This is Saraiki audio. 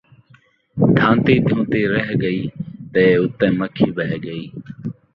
دھان٘تی دھون٘تی رہ ڳئی تے اُتے مکھی ٻہہ ڳئی